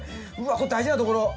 ここ大事なところ！